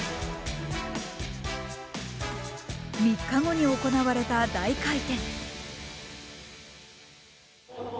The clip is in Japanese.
３日後に行われた大回転。